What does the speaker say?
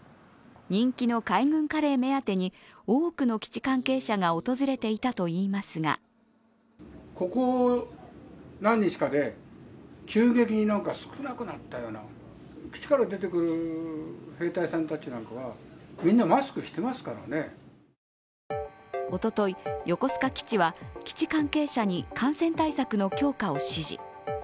人気の海軍カレー目当てに多くの基地関係者が訪れていたといいますがおととい横須賀基地は基地関係者に感染対策の強化を指示。